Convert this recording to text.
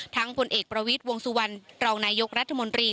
ผลเอกประวิทย์วงสุวรรณรองนายกรัฐมนตรี